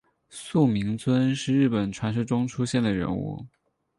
素呜尊是日本传说中出现的人物。